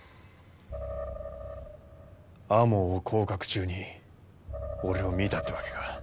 天羽を行確中に俺を見たってわけか。